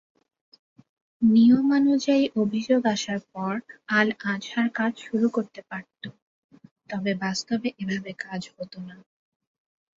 নিয়মানুযায়ী অভিযোগ আসার পর আল-আজহার কাজ শুরু করতে পারত, তবে বাস্তবে এভাবে কাজ হত না।